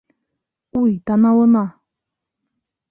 —Уй, танауына!